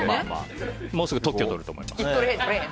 もうすぐ特許とると思います。